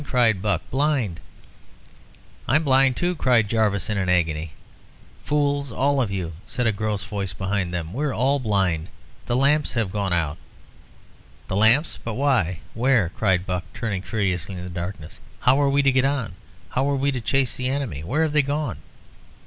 cried Buck; "blind!" "I'm blind too!" cried Jarvis, in an agony. "Fools, all of you," said a gross voice behind them; "we're all blind. The lamps have gone out." "The lamps! But why? where?" cried Buck, turning furiously in the darkness. "How are we to get on? How are we to chase the enemy? Where have they gone?"